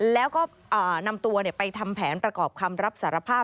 แล้วก็นำตัวไปทำแผนประกอบคำรับสารภาพ